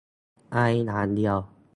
ไออย่างเดียว